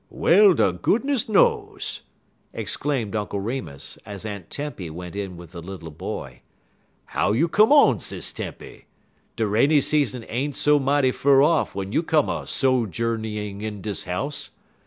"Well de goodness knows!" exclaimed Uncle Remus, as Aunt Tempy went in with the little boy. "How you come on, Sis Tempy? De rainy season ain't so mighty fur off w'en you come a sojourneyin' in dis house.